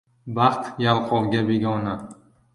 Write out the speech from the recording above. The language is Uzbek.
Baxt yalqovga begona.